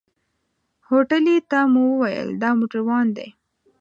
هوټلي ته مو وويل دا موټروان دی.